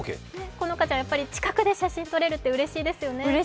好花ちゃん、近くで写真撮れるってうれしいですね。